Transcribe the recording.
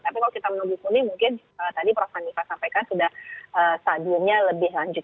tapi kalau kita menunggu kuning mungkin tadi prof hanifa sampaikan sudah stadiumnya lebih lanjut